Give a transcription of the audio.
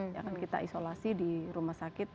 yang akan kita isolasi di rumah sakit